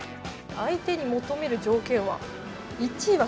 相手に求める条件は。